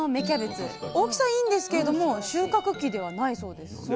キャベツ大きさはいいんですけれども収穫期ではないそうです。